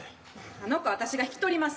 あの子は私が引き取ります。